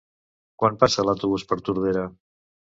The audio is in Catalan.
Quan passa l'autobús per Tordera?